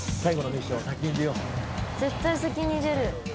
絶対先に出る。